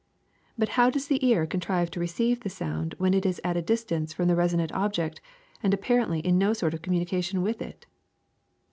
But how does the ear contrive to receive the sound when it is at a distance from the resonant object and appar ently in no sort of communication with it